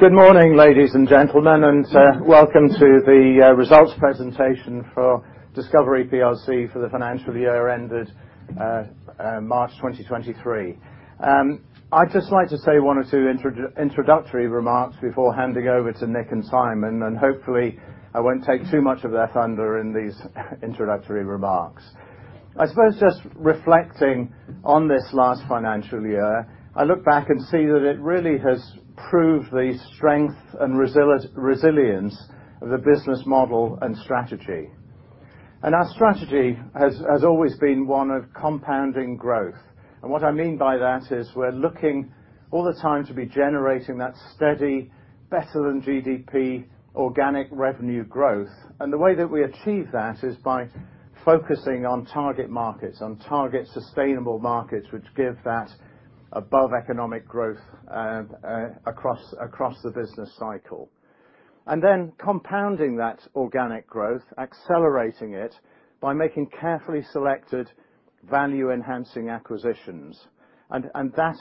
Good morning, ladies and gentlemen, and welcome to the results presentation for discoverIE Group plc for the financial year ended March 2023. I'd just like to say one or two introductory remarks before handing over to Nick and Simon, and hopefully, I won't take too much of their thunder in these introductory remarks. I suppose just reflecting on this last financial year, I look back and see that it really has proved the strength and resilience of the business model and strategy. Our strategy has always been one of compounding growth. What I mean by that is we're looking all the time to be generating that steady, better than GDP, organic revenue growth. The way that we achieve that is by focusing on target markets, on target sustainable markets, which give that above economic growth, across the business cycle. Then compounding that organic growth, accelerating it, by making carefully selected, value-enhancing acquisitions. That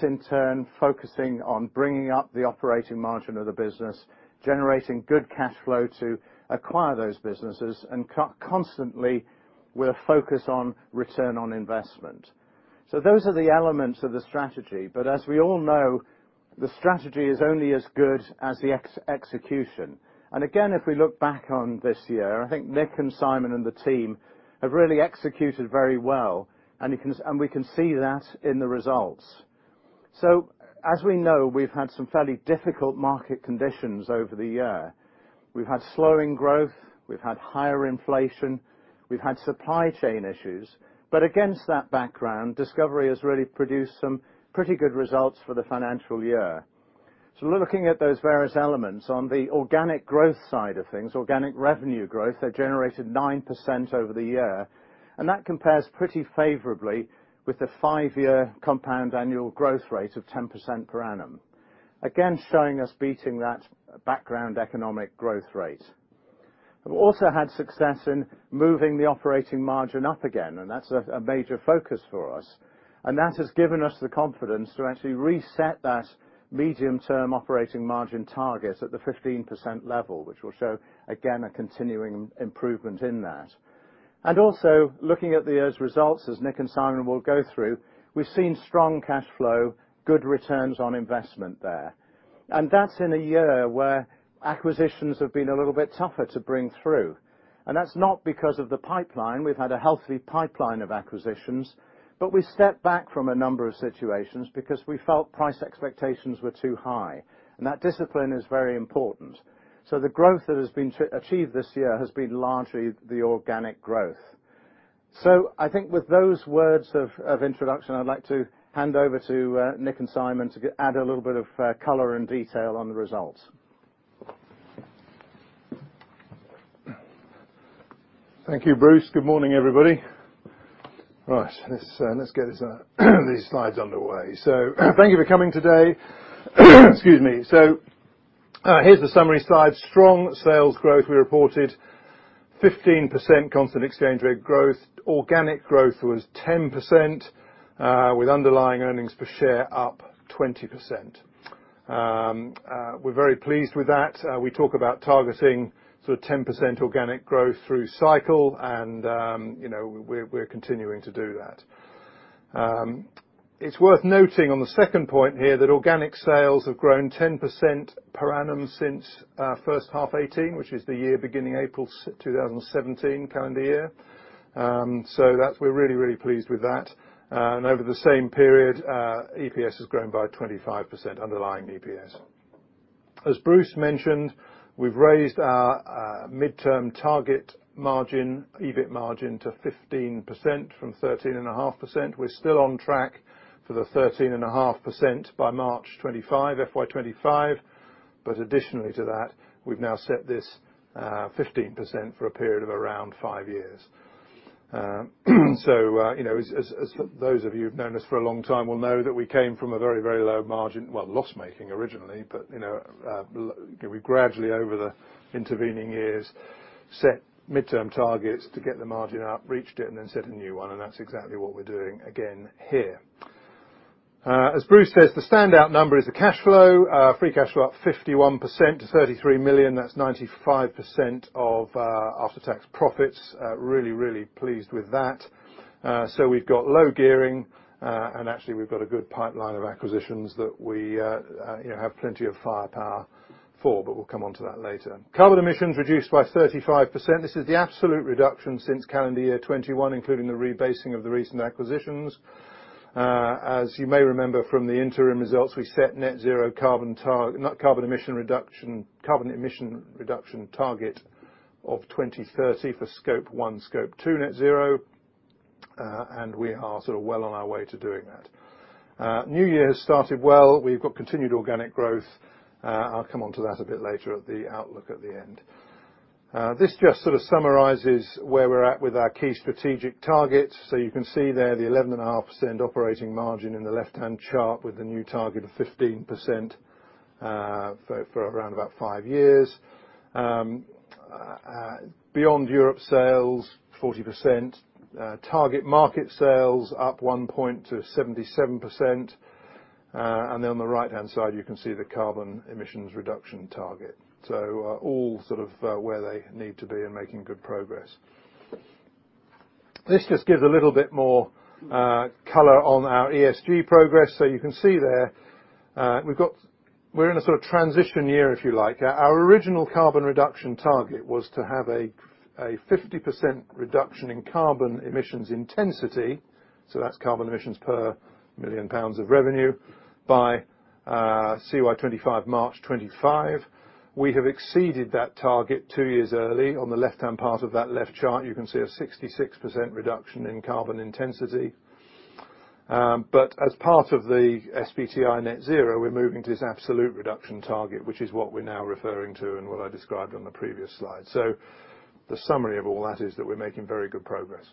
in turn, focusing on bringing up the operating margin of the business, generating good cash flow to acquire those businesses, and constantly with a focus on return on investment. Those are the elements of the strategy, but as we all know, the strategy is only as good as the execution. Again, if we look back on this year, I think Nick and Simon and the team have really executed very well, and you can, and we can see that in the results. As we know, we've had some fairly difficult market conditions over the year. We've had slowing growth, we've had higher inflation, we've had supply chain issues. Against that background, discoverIE has really produced some pretty good results for the financial year. Looking at those various elements, on the organic growth side of things, organic revenue growth, they generated 9% over the year, and that compares pretty favorably with the five-year compound annual growth rate of 10% per annum. Again, showing us beating that background economic growth rate. We've also had success in moving the operating margin up again. That's a major focus for us. That has given us the confidence to actually reset that medium-term operating margin target at the 15% level, which will show, again, a continuing improvement in that. Also, looking at the year's results, as Nick and Simon will go through, we've seen strong cash flow, good returns on investment there. That's in a year where acquisitions have been a little bit tougher to bring through. That's not because of the pipeline. We've had a healthy pipeline of acquisitions, but we stepped back from a number of situations because we felt price expectations were too high, and that discipline is very important. The growth that has been achieved this year has been largely the organic growth. I think with those words of introduction, I'd like to hand over to Nick and Simon to add a little bit of color and detail on the results. Thank you, Bruce. Good morning, everybody. Right, let's get these slides underway. Thank you for coming today. Excuse me. Here's the summary slide. Strong sales growth. We reported 15% constant exchange rate growth. Organic growth was 10%, with underlying earnings per share up 20%. We're very pleased with that. We talk about targeting sort of 10% organic growth through cycle, and, you know, we're continuing to do that. It's worth noting on the second point here, that organic sales have grown 10% per annum since first half '2018, which is the year beginning April 2017 calendar year. We're really pleased with that. And over the same period, EPS has grown by 25%, underlying EPS. As Bruce mentioned, we've raised our midterm target margin, EBIT margin, to 15% from 13.5%. We're still on track for the 13.5% by March 2025, FY25. Additionally to that, we've now set this 15% for a period of around 5 years. You know, as those of you who've known us for a long time will know, that we came from a very low margin, well, loss-making originally, but, you know, we gradually, over the intervening years, set midterm targets to get the margin up, reached it, and then set a new one, and that's exactly what we're doing again here. As Bruce says, the standout number is the cash flow. Free cash flow up 51% to 33 million. That's 95% of after-tax profits. Really, really pleased with that. We've got low gearing, actually, we've got a good pipeline of acquisitions that we, you know, have plenty of firepower for, we'll come onto that later. Carbon emissions reduced by 35%. This is the absolute reduction since calendar year 2021, including the rebasing of the recent acquisitions. As you may remember from the interim results, we set Net Zero carbon emission reduction target of 2030 for Scope 1, Scope 2 Net Zero, we are sort of well on our way to doing that. New year has started well. We've got continued organic growth. I'll come onto that a bit later at the outlook at the end. This just sort of summarizes where we're at with our key strategic targets. You can see there the 11.5% operating margin in the left-hand chart with the new target of 15% for around about five years. Beyond Europe sales, 40%. Target market sales up 1 point to 77%. On the right-hand side, you can see the carbon emissions reduction target. All sort of where they need to be and making good progress. This just gives a little bit more color on our ESG progress. You can see there, we're in a sort of transition year, if you like. Our original carbon reduction target was to have a 50% reduction in carbon emissions intensity, so that's carbon emissions per 1 million pounds of revenue, by CY25, March 25. We have exceeded that target two years early. On the left-hand part of that left chart, you can see a 66% reduction in carbon intensity. As part of the SBTI Net Zero, we're moving to this absolute reduction target, which is what we're now referring to and what I described on the previous slide. The summary of all that is that we're making very good progress.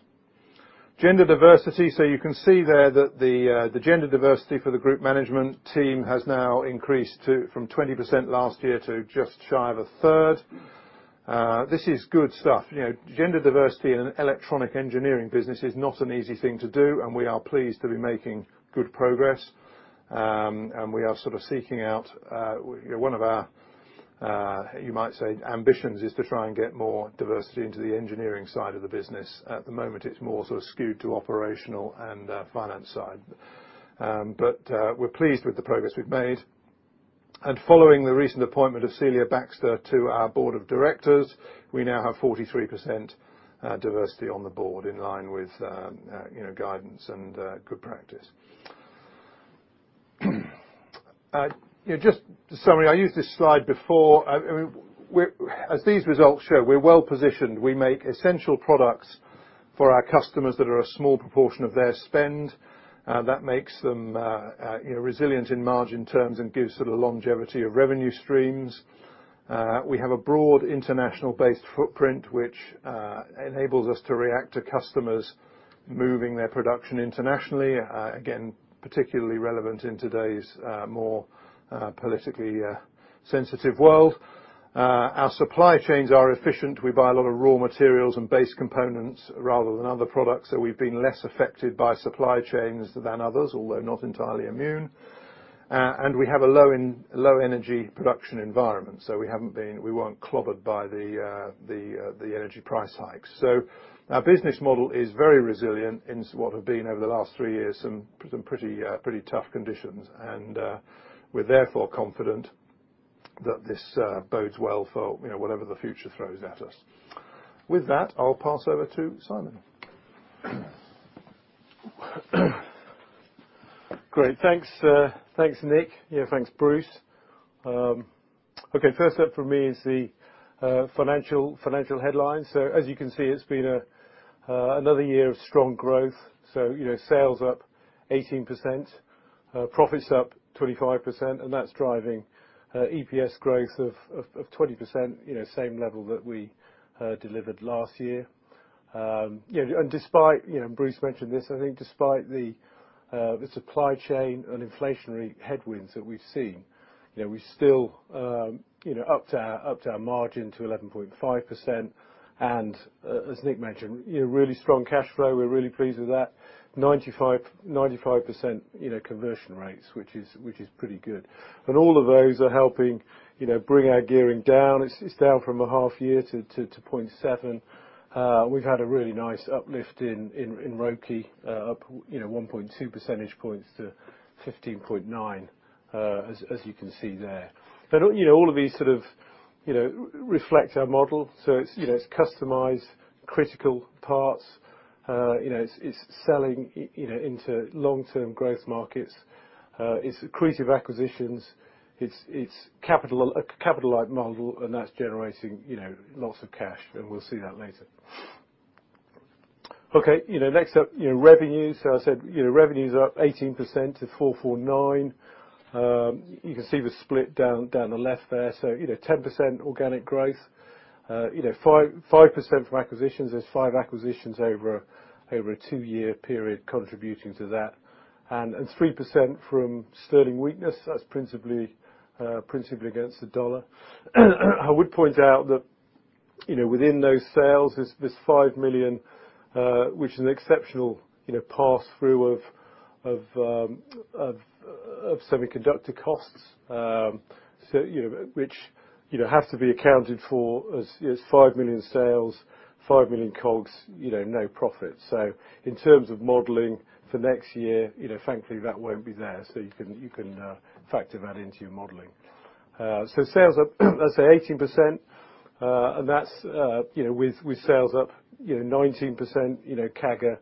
Gender diversity, you can see there that the gender diversity for the group management team has now increased to, from 20% last year to just shy of a third. This is good stuff. You know, gender diversity in an electronic engineering business is not an easy thing to do, and we are pleased to be making good progress. We are sort of seeking out, you know, one of our, you might say, ambitions is to try and get more diversity into the engineering side of the business. At the moment, it's more sort of skewed to operational and finance side. We're pleased with the progress we've made. Following the recent appointment of Celia Baxter to our board of directors, we now have 43% diversity on the board, in line with, you know, guidance and good practice. You know, just to summary, I used this slide before. I mean, as these results show, we're well positioned. We make essential products for our customers that are a small proportion of their spend. That makes them, you know, resilient in margin terms and gives sort of longevity of revenue streams. We have a broad international-based footprint, which enables us to react to customers moving their production internationally. Again, particularly relevant in today's more politically sensitive world. Our supply chains are efficient. We buy a lot of raw materials and base components rather than other products, so we've been less affected by supply chains than others, although not entirely immune. We have a low energy production environment, so we haven't been, we weren't clobbered by the energy price hikes. Our business model is very resilient in what have been, over the last three years, some pretty tough conditions. We're therefore confident that this bodes well for, you know, whatever the future throws at us. With that, I'll pass over to Simon. Great, thanks, Nick. Yeah, thanks, Bruce. Okay, first up for me is the financial headlines. As you can see, it's been another year of strong growth. Sales up 18%, profits up 25%, and that's driving EPS growth of 20%, you know, same level that we delivered last year. You know, despite, you know, and Bruce mentioned this, I think despite the supply chain and inflationary headwinds that we've seen, you know, we still, you know, upped our margin to 11.5%. As Nick mentioned, you know, really strong cash flow, we're really pleased with that. 95% conversion rates, which is pretty good. All of those are helping, you know, bring our gearing down. It's down from a half year to 0.7. We've had a really nice uplift in ROCE, up, you know, 1.2 percentage points-15.9 percentage points, as you can see there. You know, all of these sort of, you know, reflect our model, so it's, you know, customized critical parts. You know, it's selling, you know, into long-term growth markets. It's accretive acquisitions, it's a capital light model, and that's generating, you know, lots of cash, and we'll see that later. Okay, you know, next up, you know, revenues. I said, you know, revenues are up 18% to 449. You can see the split down the left there. You know, 10% organic growth, you know, 5% from acquisitions. There's five acquisitions over a two-year period contributing to that. 3% from sterling weakness, that's principally against the dollar. I would point out that, you know, within those sales, there's 5 million, which is an exceptional, you know, pass-through of semiconductor costs. You know, which, you know, have to be accounted for as, you know, as 5 million sales, 5 million COGS, you know, no profit. In terms of modeling for next year, you know, frankly, that won't be there, so you can factor that into your modeling. Sales are, let's say, 18%, and that's, you know, with sales up, you know, 19% CAGR,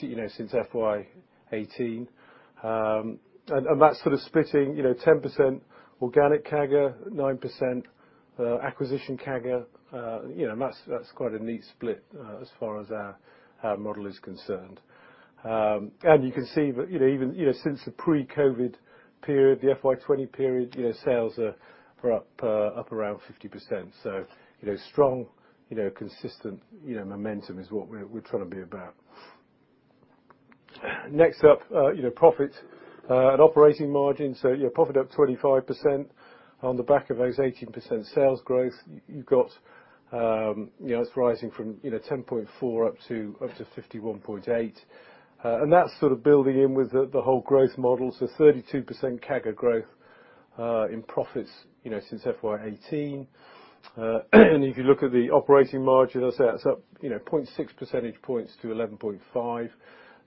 you know, since FY18. That's sort of splitting, you know, 10% organic CAGR, 9% acquisition CAGR. You know, that's quite a neat split as far as our model is concerned. You can see that, you know, even, you know, since the pre-COVID period, the FY 2020 period, you know, sales are up 50%. You know, strong, you know, consistent, you know, momentum is what we're trying to be about. Next up, you know, profit and operating margin. Yeah, profit up 25% on the back of those 18% sales growth. You've got, you know, it's rising from, you know, 10.4% up to 51.8%. That's sort of building in with the whole growth model. 32% CAGR growth, in profits, you know, since FY 2018. If you look at the operating margin, I'd say that's up, you know, 0.6 percentage points-11.5 percentage points.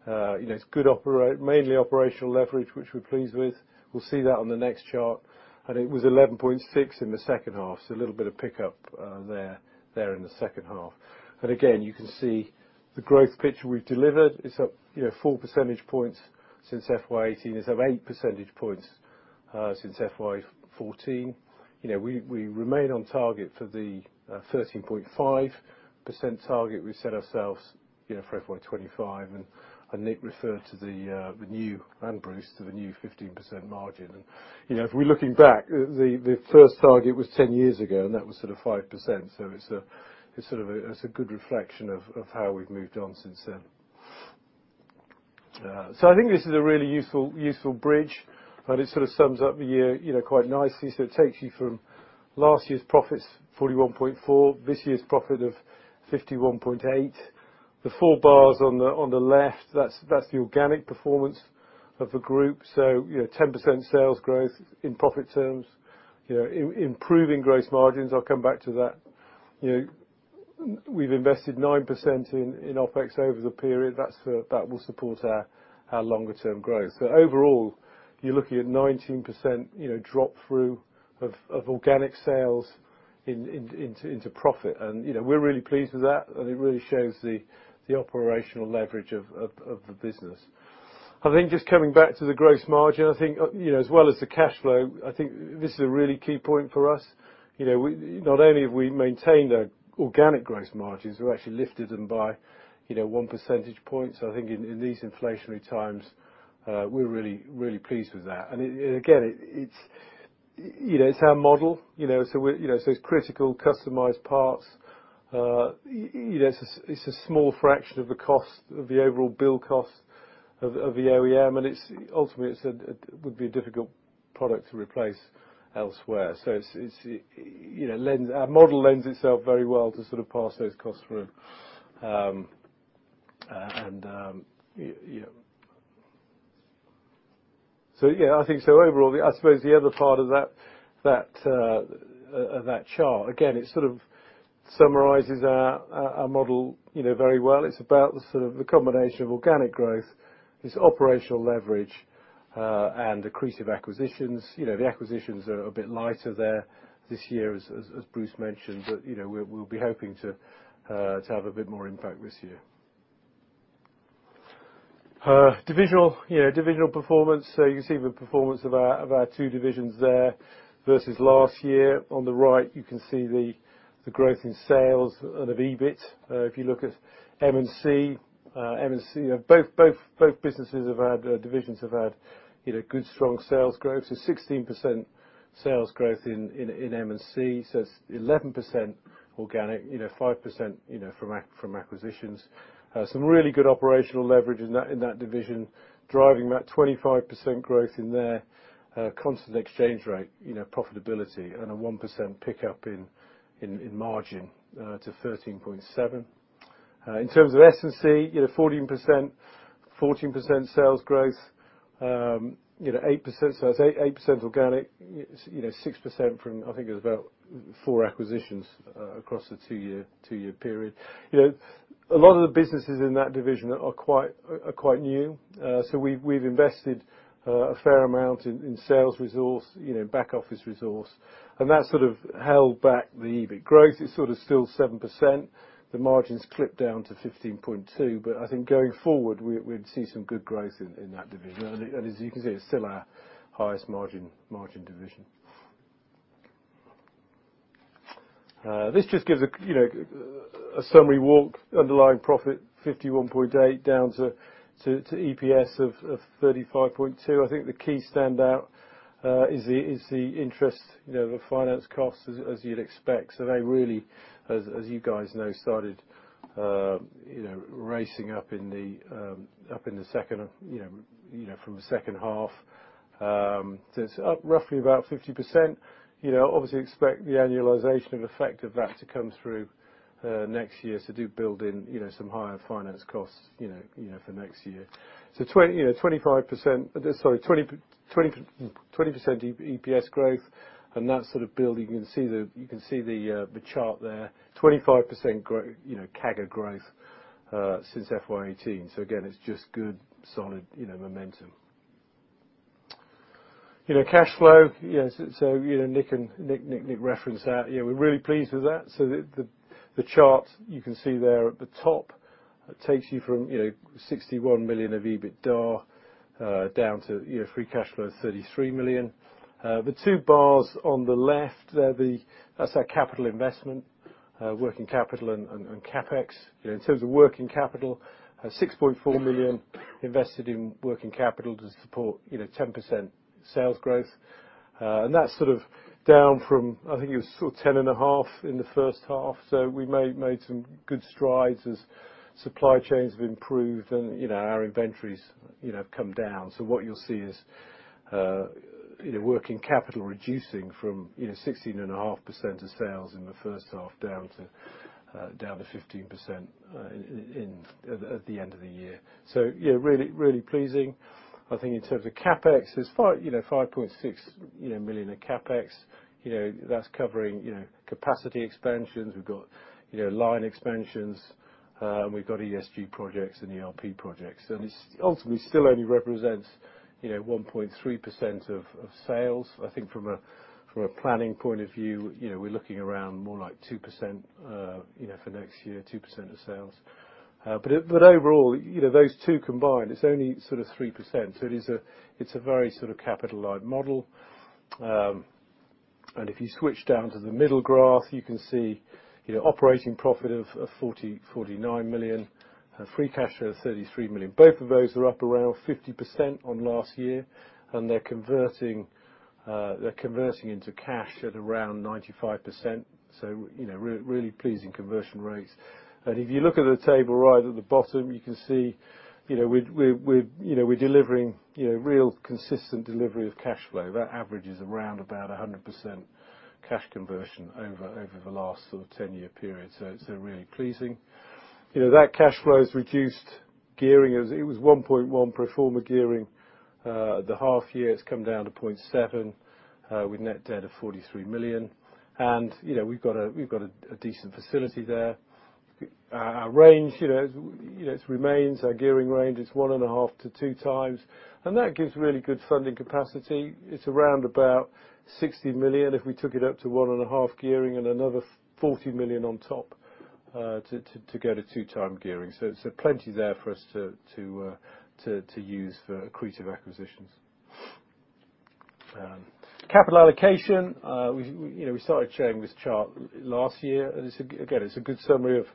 You know, it's good mainly operational leverage, which we're pleased with. We'll see that on the next chart, and it was 11.6 in the second half, so a little bit of pickup there in the second half. Again, you can see the growth picture we've delivered. It's up, you know, 4 percentage points since FY 2018. It's up 8 percentage points since FY14. You know, we remain on target for the 13.5% target we set ourselves, you know, for FY 2025. Nick referred to the new, and Bruce, to the new 15% margin. You know, if we're looking back, the first target was 10 years ago, and that was sort of 5%. It's a good reflection of how we've moved on since then. I think this is a really useful bridge, and it sort of sums up the year, you know, quite nicely. It takes you from last year's profits, 41.4, this year's profit of 51.8. The four bars on the left, that's the organic performance of the group. You know, 10% sales growth in profit terms, you know, improving gross margins, I'll come back to that. You know, we've invested 9% in OpEx over the period. That will support our longer-term growth. Overall, you're looking at 19%, you know, drop-through of organic sales into profit. You know, we're really pleased with that, and it really shows the operational leverage of the business. I think just coming back to the gross margin, I think, you know, as well as the cash flow, I think this is a really key point for us. You know, not only have we maintained our organic gross margins, we've actually lifted them by, you know, 1 percentage point. I think in these inflationary times, we're really, really pleased with that. It, and again, it's, you know, it's our model, you know, so it's critical customized parts. You know, it's a small fraction of the cost, of the overall bill cost of the OEM, and it's, ultimately, it's a, it would be a difficult product to replace elsewhere. It's, you know, our model lends itself very well to sort of pass those costs through. And, yeah. Yeah, I think so overall, I suppose the other part of that chart, again, it sort of summarizes our model, you know, very well. It's about the sort of the combination of organic growth, this operational leverage, and accretive acquisitions. You know, the acquisitions are a bit lighter there this year, as Bruce mentioned, but, you know, we're, we'll be hoping to have a bit more impact this year. Divisional, you know, divisional performance, so you can see the performance of our two divisions there versus last year. On the right, you can see the growth in sales and of EBIT. If you look at M&C, both divisions have had, you know, good, strong sales growth. 16% sales growth in M&C, so it's 11% organic, you know, 5% from acquisitions. Some really good operational leverage in that division, driving that 25% growth in their constant exchange rate, you know, profitability and a 1% pickup in margin to 13.7%. In terms of S&C, you know, 14% sales growth, you know, 8%, so that's 8% organic, you know, 6% from, I think it was about four acquisitions across the two-year period. You know, a lot of the businesses in that division are quite new. We've invested a fair amount in sales resource, you know, back office resource, and that sort of held back the EBIT growth. It's sort of still 7%. The margins clipped down to 15.2%, I think going forward, we'd see some good growth in that division. As you can see, it's still our highest margin division. This just gives a, you know, a summary walk. Underlying profit, 51.8, down to EPS of 0.352. I think the key standout is the interest, you know, the finance costs as you'd expect. They really, as you guys know, started, you know, racing up in the second, you know, from the second half. It's up roughly about 50%. You know, obviously expect the annualization of effect of that to come through next year. Do build in, you know, some higher finance costs, you know, for next year. 20%, you know, 25%, sorry, 20% EPS growth, and that's sort of building. You can see the chart there. 25%, you know, CAGR growth since FY 2018. Again, it's just good, solid, you know, momentum. Cash flow, yes, Nick referenced that. We're really pleased with that. The chart you can see there at the top, it takes you from 61 million of EBITDA down to free cash flow, 33 million. The two bars on the left there, that's our capital investment, working capital and CapEx. In terms of working capital, 6.4 million invested in working capital to support 10% sales growth. That's sort of down from, I think it was sort of 10.5 million in the first half, we made some good strides as supply chains have improved and our inventories have come down. What you'll see. you know, working capital reducing from, you know, 16.5% of sales in the first half, down to 15% at the end of the year. Yeah, really, really pleasing. I think in terms of CapEx, it's five, you know, 5.6 million in CapEx. That's covering, you know, capacity expansions. We've got, you know, line expansions, we've got ESG projects and ERP projects. It's ultimately still only represents, you know, 1.3% of sales. I think from a planning point of view, you know, we're looking around more like 2%, you know, for next year, 2% of sales. Overall, you know, those two combined, it's only sort of 3%. It is a very sort of capital-light model. If you switch down to the middle graph, you can see, you know, operating profit of 49 million, and free cash flow of 33 million. Both of those are up around 50% on last year, and they're converting into cash at around 95%. You know, really, really pleasing conversion rates. If you look at the table right at the bottom, you can see, you know, we're delivering, you know, real consistent delivery of cash flow. That average is around about 100% cash conversion over the last sort of 10-year period, it's really pleasing. You know, that cash flow has reduced gearing. It was 1.1 pro forma gearing. At the half year, it's come down to 0.7 with net debt of 43 million. You know, we've got a decent facility there. Our range, you know, it remains. Our gearing range is 1.5x-2x, and that gives really good funding capacity. It's around about 60 million. If we took it up to 1.5x gearing and another 40 million on top to get a 2x gearing. Plenty there for us to use for accretive acquisitions. Capital allocation, we, you know, we started sharing this chart last year, and it's, again, it's a good summary of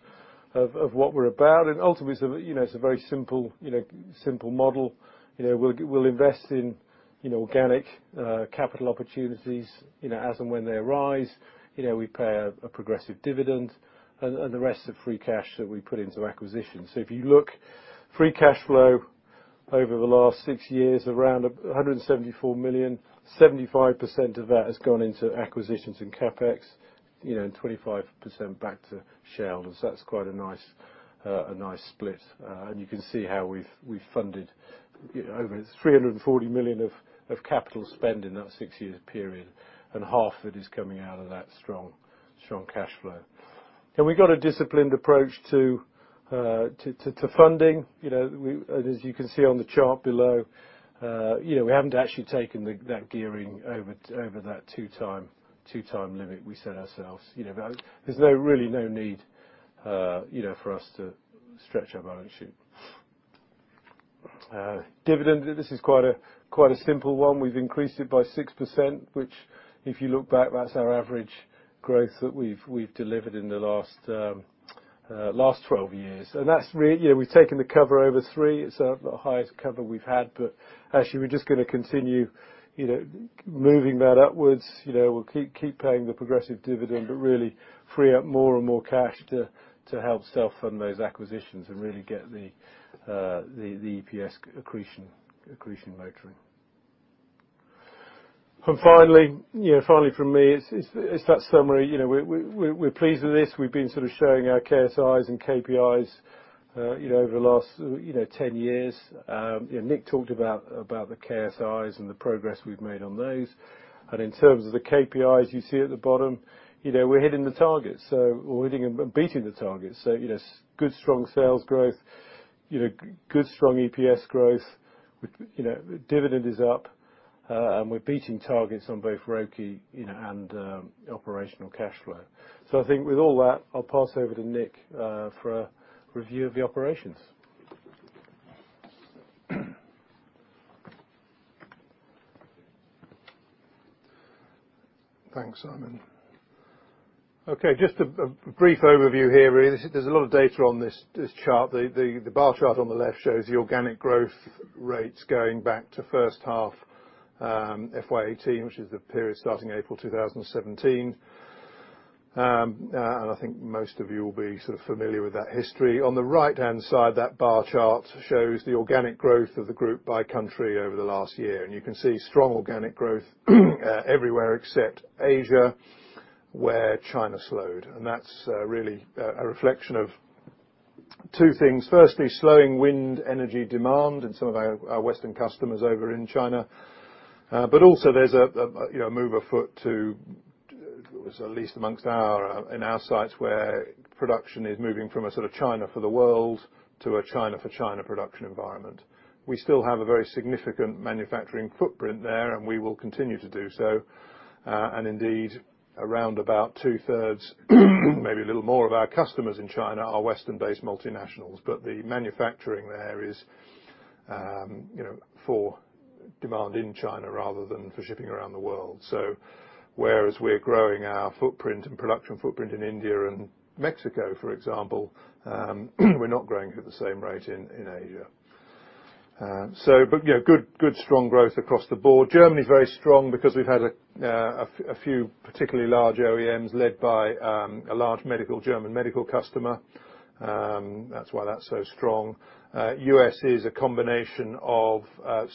what we're about. Ultimately, you know, it's a very simple, you know, simple model. You know, we'll invest in, you know, organic capital opportunities, you know, as and when they arise. You know, we pay a progressive dividend, and the rest of free cash that we put into acquisitions. If you look, free cash flow over the last six years, around 174 million, 75% of that has gone into acquisitions and CapEx, you know, and 25% back to shareholders. That's quite a nice split. And you can see how we've funded, you know, over 340 million of capital spend in that 6-year period, and half it is coming out of that strong cash flow. We've got a disciplined approach to funding. You know, as you can see on the chart below, you know, we haven't actually taken that gearing over that two-time limit we set ourselves. You know, there's really no need, you know, for us to stretch our balance sheet. Dividend, this is quite a, quite a simple one. We've increased it by 6%, which, if you look back, that's our average growth that we've delivered in the last 12 years. That's really, you know, we've taken the cover over 3. It's the highest cover we've had, but actually, we're just gonna continue, you know, moving that upwards. You know, we'll keep paying the progressive dividend, really free up more and more cash to help self-fund those acquisitions and really get the EPS accretion motoring. Finally, you know, finally for me, it's that summary. You know, we're pleased with this. We've been sort of showing our KSIs and KPIs, you know, over the last, you know, 10 years. You know, Nick talked about the KSIs and the progress we've made on those. In terms of the KPIs you see at the bottom, you know, we're hitting the targets, so we're hitting and beating the targets. You know, good, strong sales growth, you know, good, strong EPS growth. We, you know, dividend is up, and we're beating targets on both ROCE, you know, and operational cash flow. I think with all that, I'll pass over to Nick for a review of the operations. Thanks, Simon. Okay, just a brief overview here, really. There's a lot of data on this chart. The bar chart on the left shows the organic growth rates going back to first half, FY18, which is the period starting April 2017. I think most of you will be sort of familiar with that history. On the right-hand side, that bar chart shows the organic growth of the group by country over the last year. You can see strong organic growth everywhere except Asia, where China slowed. That's really a reflection of two things. Firstly, slowing wind energy demand in some of our Western customers over in China. Also there's a, you know, a move afoot to, at least amongst our, in our sites, where production is moving from a sort of China for the world to a China-for-China production environment. We still have a very significant manufacturing footprint there, and we will continue to do so. Indeed, around about 2/3, maybe a little more of our customers in China are Western-based multinationals, but the manufacturing there is, you know, for demand in China rather than for shipping around the world. Whereas we're growing our footprint and production footprint in India and Mexico, for example, we're not growing at the same rate in Asia. Yeah, good, strong growth across the board. Germany is very strong because we've had a few particularly large OEMs, led by a large medical, German medical customer. That's why that's so strong. U.S. is a combination of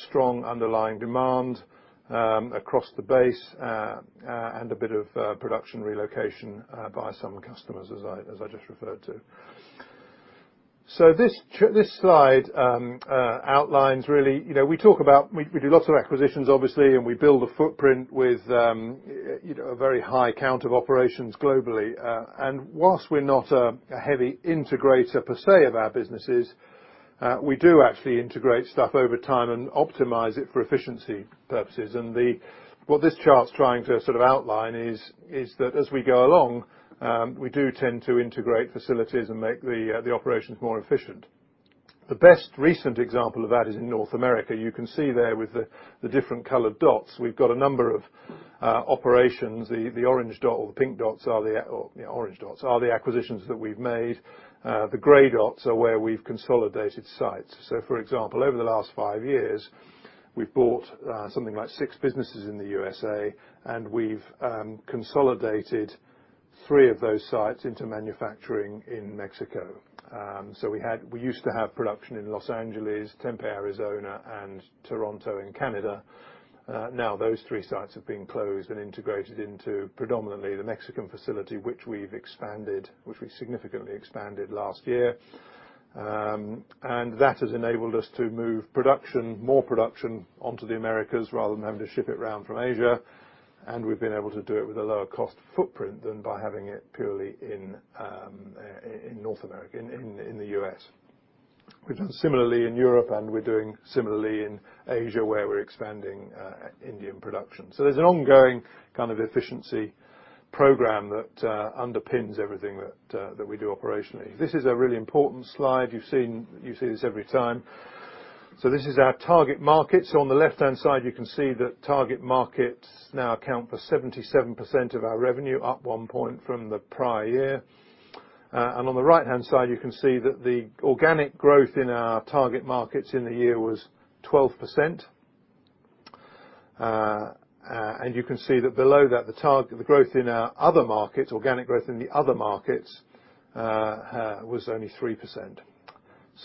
strong underlying demand across the base and a bit of production relocation by some customers, as I just referred to. This slide outlines really, you know, we do lots of acquisitions, obviously, and we build a footprint with, you know, a very high count of operations globally. And whilst we're not a heavy integrator per se of our businesses, we do actually integrate stuff over time and optimize it for efficiency purposes. What this chart's trying to sort of outline is that as we go along, we do tend to integrate facilities and make the operations more efficient. The best recent example of that is in North America. You can see there with the different colored dots, we've got a number of operations. The orange dot or the pink dots are the orange dots are the acquisitions that we've made. The gray dots are where we've consolidated sites. For example, over the last five years, we've bought something like six businesses in the USA, and we've consolidated three of those sites into manufacturing in Mexico. We used to have production in Los Angeles, Tempe, Arizona, and Toronto, in Canada. Now those three sites have been closed and integrated into predominantly the Mexican facility, which we significantly expanded last year. That has enabled us to move more production onto the Americas, rather than having to ship it around from Asia, and we've been able to do it with a lower cost footprint than by having it purely in North America, in the US. We've done similarly in Europe, and we're doing similarly in Asia, where we're expanding Indian production. There's an ongoing kind of efficiency program that underpins everything that we do operationally. This is a really important slide. You see this every time. This is our target markets. On the left-hand side, you can see that target markets now account for 77% of our revenue, up 1 point from the prior year. On the right-hand side, you can see that the organic growth in our target markets in the year was 12%. You can see that below that, the growth in our other markets, organic growth in the other markets, was only 3%.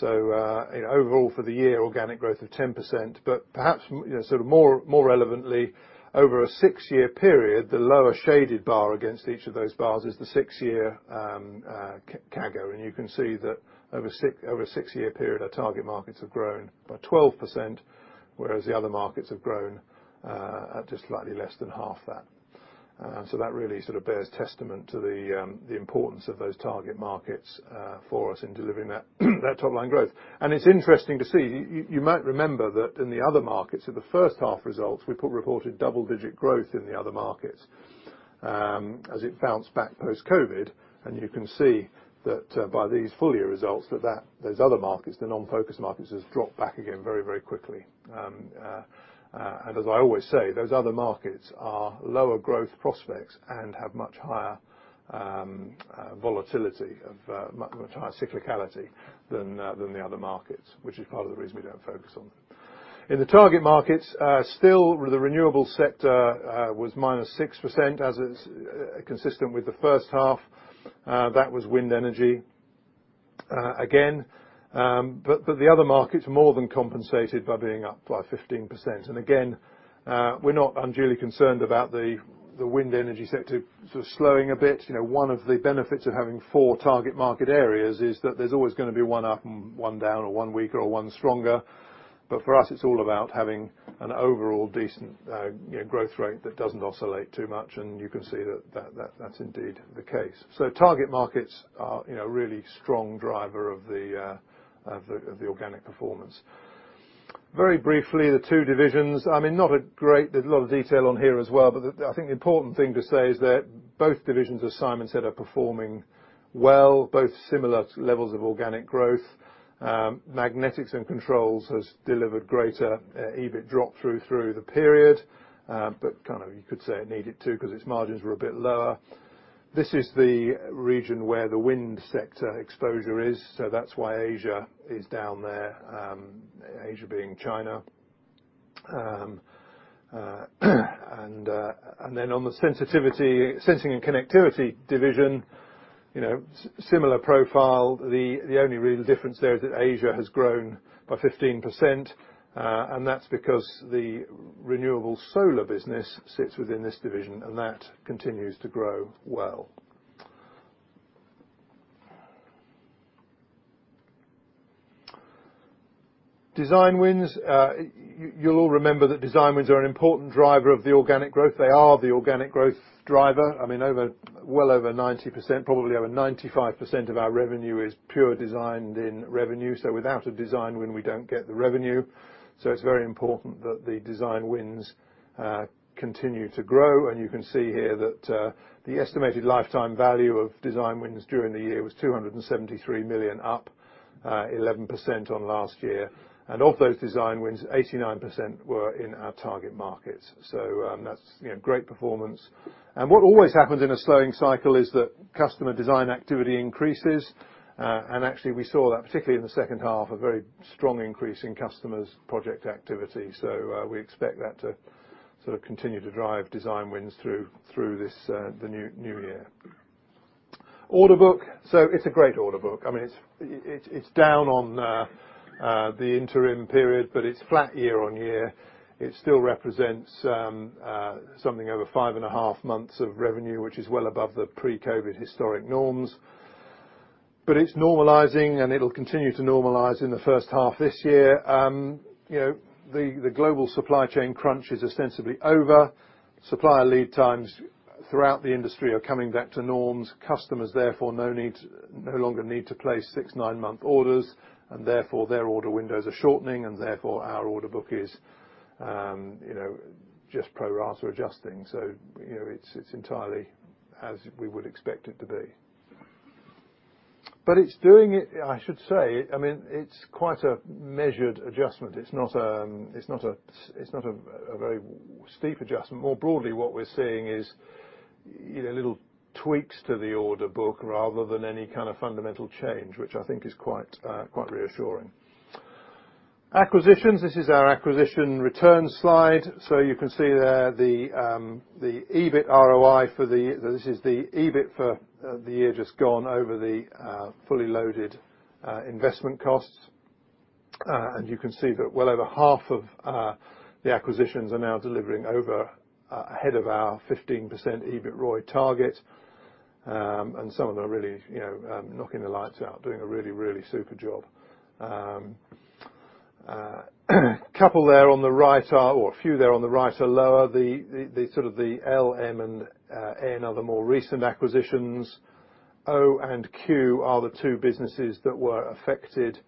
Overall, for the year, organic growth of 10%. Perhaps, you know, sort of more relevantly, over a 6-year period, the lower shaded bar against each of those bars is the 6-year CAGR. You can see that over a 6-year period, our target markets have grown by 12%, whereas the other markets have grown at just slightly less than half that. That really sort of bears testament to the importance of those target markets for us in delivering that top line growth. It's interesting to see, you might remember that in the other markets, in the first half results, we put reported double-digit growth in the other markets as it bounced back post-COVID. You can see that by these full year results, that those other markets, the non-focus markets, has dropped back again very, very quickly. As I always say, those other markets are lower growth prospects and have much higher volatility of much higher cyclicality than the other markets, which is part of the reason we don't focus on them. In the target markets, still, the renewable sector, was -6%, as is consistent with the first half. That was wind energy, again. The other markets more than compensated by being up by 15%. Again, we're not unduly concerned about the wind energy sector sort of slowing a bit. You know, one of the benefits of having four target market areas is that there's always gonna be one up and one down, or one weaker or one stronger. For us, it's all about having an overall decent, you know, growth rate that doesn't oscillate too much, and you can see that's indeed the case. Target markets are, you know, a really strong driver of the organic performance. Very briefly, the two divisions, I mean, there's a lot of detail on here as well. I think the important thing to say is that both divisions, as Simon said, are performing well, both similar levels of organic growth. Magnetics and Controls has delivered greater EBIT drop-through through the period, kind of you could say it needed to because its margins were a bit lower. This is the region where the wind sector exposure is. That's why Asia is down there, Asia being China. On the Sensing and Connectivity division, you know, similar profile. The only real difference there is that Asia has grown by 15%. That's because the renewable solar business sits within this division. That continues to grow well. Design wins, you'll all remember that design wins are an important driver of the organic growth. They are the organic growth driver. I mean, over, well over 90%, probably over 95% of our revenue is pure designed-in revenue, so without a design win, we don't get the revenue. It's very important that the design wins continue to grow, and you can see here that the estimated lifetime value of design wins during the year was 273 million, up 11% on last year. Of those design wins, 89% were in our target markets, so that's, you know, great performance. What always happens in a slowing cycle is that customer design activity increases, and actually we saw that, particularly in the second half, a very strong increase in customers' project activity. We expect that to continue to drive design wins through this new year. Order book. It's a great order book. I mean, it's down on the interim period, but it's flat year-on-year. It still represents something over five and a half months of revenue, which is well above the pre-COVID historic norms. It's normalizing, and it'll continue to normalize in the first half this year. You know, the global supply chain crunch is ostensibly over. Supplier lead times throughout the industry are coming back to norms. Customers therefore no longer need to place six, nine-month orders, and therefore, their order windows are shortening, and therefore, our order book is, you know, just pro rata adjusting. You know, it's entirely as we would expect it to be. It's doing it, I should say, I mean, it's quite a measured adjustment. It's not a very steep adjustment. More broadly, what we're seeing is, you know, little tweaks to the order book rather than any kind of fundamental change, which I think is quite reassuring. Acquisitions, this is our acquisition return slide. You can see there the EBIT ROI for this is the EBIT for the year just gone over the fully loaded investment costs. You can see that well over half of the acquisitions are now delivering over, ahead of our 15% EBIT ROI target, some of them are really, you know, knocking the lights out, doing a really, really super job. Couple there on the right are, or a few there on the right are lower. The sort of the L, M, and N are the more recent acquisitions. O and Q are the two businesses that were affected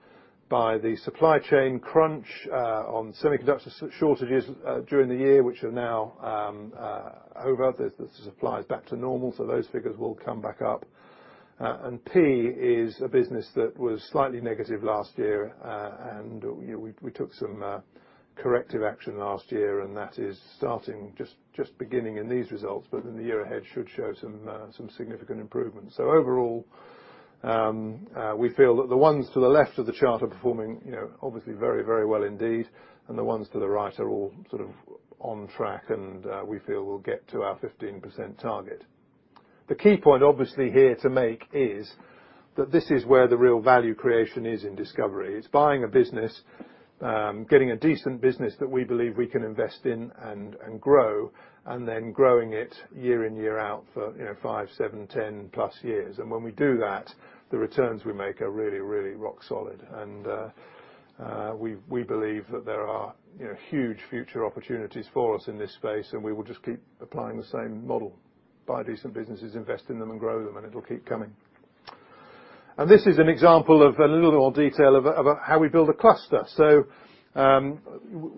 by the supply chain crunch on semiconductor shortages during the year, which are now over. The supply is back to normal. Those figures will come back up. P is a business that was slightly negative last year, and, you know, we took some corrective action last year, and that is starting, just beginning in these results, but in the year ahead, should show some significant improvement. Overall, we feel that the ones to the left of the chart are performing, you know, obviously very, very well indeed, and the ones to the right are all sort of on track, and we feel we'll get to our 15% target. The key point, obviously, here to make is, that this is where the real value creation is in discoverIE. It's buying a business, getting a decent business that we believe we can invest in and grow, and then growing it year in, year out for, you know, 5, 7, 10+ years. When we do that, the returns we make are really rock solid. We believe that there are, you know, huge future opportunities for us in this space, and we will just keep applying the same model. Buy decent businesses, invest in them, and grow them, and it'll keep coming. This is an example of a little more detail of how we build a cluster. You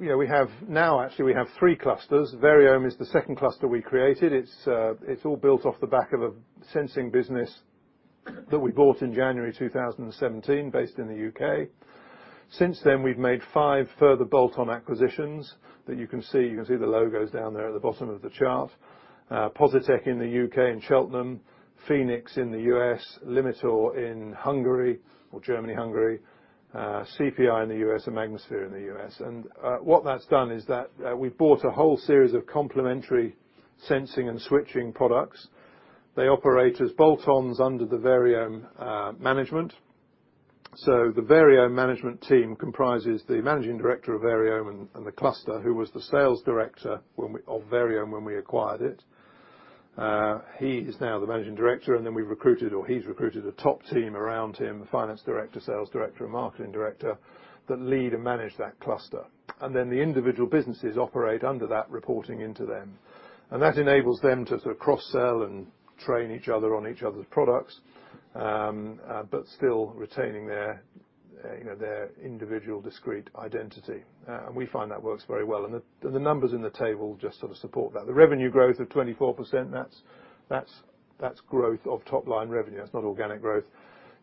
know, we have now, actually, we have 3 clusters. Variohm is the second cluster we created. It's all built off the back of a sensing business that we bought in January 2017, based in the U.K. Since then, we've made 5 further bolt-on acquisitions that you can see. You can see the logos down there at the bottom of the chart. Positek in the U.K. and Cheltenham, Phoenix in the U.S., Limitor in Hungary, or Germany, Hungary, CPI in the U.S., and Magnasphere in the U.S. What that's done is that we've bought a whole series of complementary sensing and switching products. They operate as bolt-ons under the Variohm management. The Variohm management team comprises the managing director of Variohm and the cluster, who was the sales director of Variohm, when we acquired it. He is now the managing director, and then we've recruited, or he's recruited a top team around him, the finance director, sales director, and marketing director, that lead and manage that cluster. The individual businesses operate under that, reporting into them. That enables them to sort of cross-sell and train each other on each other's products, but still retaining their, you know, their individual discrete identity. We find that works very well. The numbers in the table just sort of support that. The revenue growth of 24%, that's growth of top-line revenue. That's not organic growth.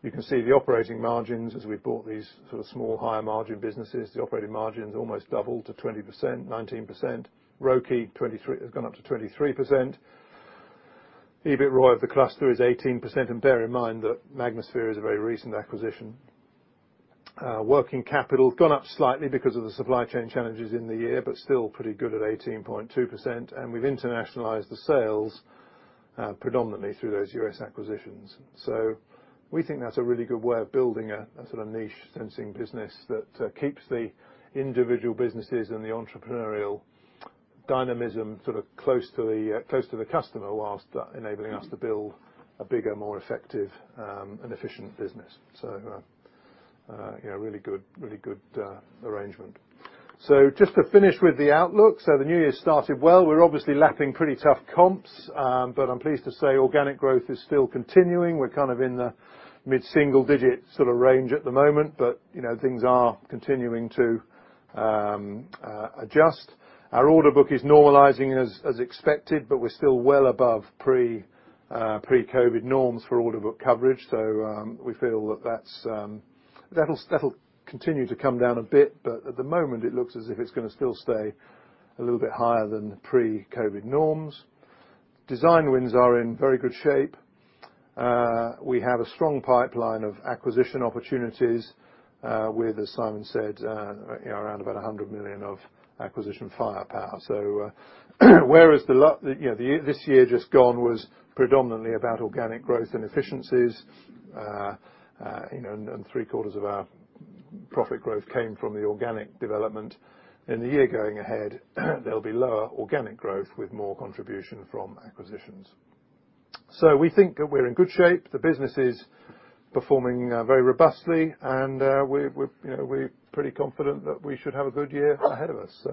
You can see the operating margins as we bought these sort of small, higher margin businesses, the operating margins almost doubled to 20%, 19%. ROCE, 23, has gone up to 23%. EBIT ROI of the cluster is 18%, and bear in mind that Magnasphere is a very recent acquisition. working capital has gone up slightly because of the supply chain challenges in the year, still pretty good at 18.2%. We've internationalized the sales, predominantly through those US acquisitions. We think that's a really good way of building a sort of niche sensing business that keeps the individual businesses and the entrepreneurial dynamism sort of close to the close to the customer, whilst enabling us to build a bigger, more effective, and efficient business. you know, really good, really good arrangement. just to finish with the outlook. The new year started well. We're obviously lapping pretty tough comps, but I'm pleased to say organic growth is still continuing. We're kind of in the mid-single digit sort of range at the moment, but, you know, things are continuing to adjust. Our order book is normalizing as expected, we're still well above pre-COVID norms for order book coverage. We feel that that's. That'll continue to come down a bit, at the moment, it looks as if it's gonna still stay a little bit higher than the pre-COVID norms. Design wins are in very good shape. We have a strong pipeline of acquisition opportunities, with, as Simon said, you know, around about 100 million of acquisition firepower. Whereas the, you know, this year just gone was predominantly about organic growth and efficiencies, you know, and three quarters of our profit growth came from the organic development. In the year going ahead, there'll be lower organic growth with more contribution from acquisitions. We think that we're in good shape. The business is performing very robustly, and we're, you know, pretty confident that we should have a good year ahead of us.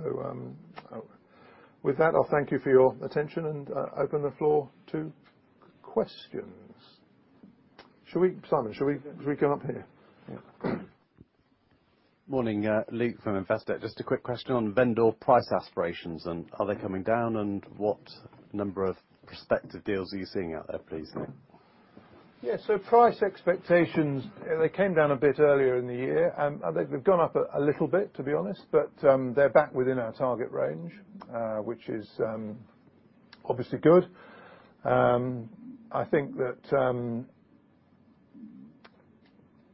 With that, I'll thank you for your attention and open the floor to questions. Should we, Simon, should we go up here? Yeah. Morning, Luke from Investec. Just a quick question on vendor price aspirations, and are they coming down, and what number of prospective deals are you seeing out there, please, Nick? Price expectations, they came down a bit earlier in the year, and I think they've gone up a little bit, to be honest, but they're back within our target range, which is obviously good.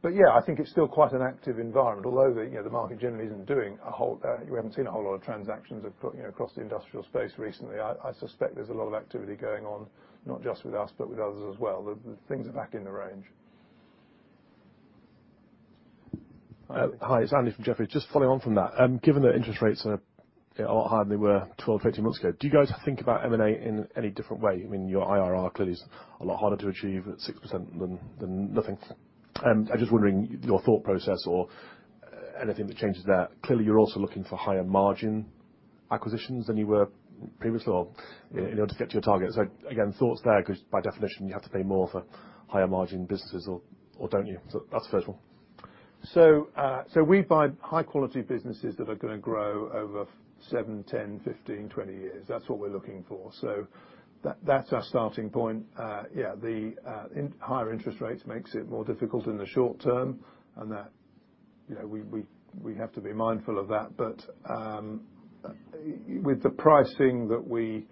Yeah, I think it's still quite an active environment, although the, you know, the market generally isn't doing a whole, we haven't seen a whole lot of transactions across the industrial space recently. I suspect there's a lot of activity going on, not just with us, but with others as well. The things are back in the range. Hi, it's Andy from Jefferies. Just following on from that, given that interest rates are a lot higher than they were 12, 18 months ago, do you guys think about M&A in any different way? I mean, your IRR clearly is a lot harder to achieve at 6% than nothing. I'm just wondering your thought process or anything that changes there. Clearly, you're also looking for higher margin acquisitions than you were previously, or in order to get to your target. Again, thoughts there, because by definition, you have to pay more for higher margin businesses or don't you? That's the first one. We buy high quality businesses that are gonna grow over 7, 10, 15, 20 years. That's what we're looking for. That's our starting point. Yeah, the, in higher interest rates makes it more difficult in the short term, and that, you know, we have to be mindful of that. With the pricing that we,